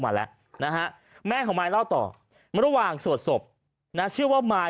มาแล้วนะฮะแม่ของมายเล่าต่อระหว่างสวดศพนะชื่อว่ามาย